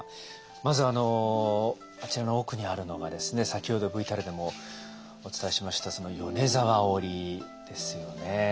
まずあちらの奥にあるのが先ほどＶＴＲでもお伝えしました米沢織ですよね。